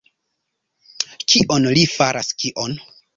Kion li faras, kion?